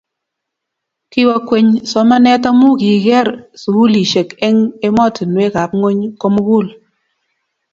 kiwo ng'weny somanet amu kikier sukulisiek eng' emotinwekab ng'ony ko mugul